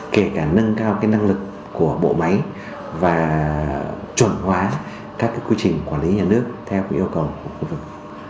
kể cả nâng cao năng lực của bộ máy và chuẩn hóa các quy trình quản lý nhà nước theo yêu cầu của khu vực